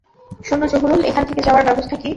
শোনো জহুরুল-এখান থেকে যাওয়ার ব্যবস্থা কী?